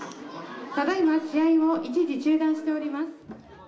ただ今、試合を一時中断しております。